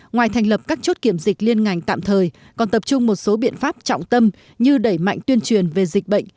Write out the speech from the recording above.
ngoài thành lập các chốt kiểm dịch liên ngành tạm thời còn tập trung một số biện pháp trọng tâm như đẩy mạnh tuyên truyền về dịch bệnh